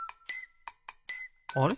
あれ？